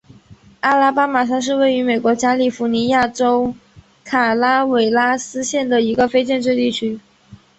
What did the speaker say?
阿拉巴马山是位于美国加利福尼亚州卡拉韦拉斯县的一个非建制地区。